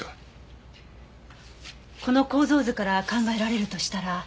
この構造図から考えられるとしたら？